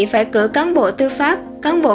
phải cử cán bộ tư pháp cán bộ